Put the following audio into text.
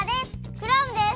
クラムです！